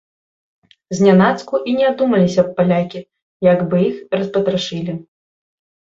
Знянацку і не адумаліся б палякі, як бы іх распатрашылі!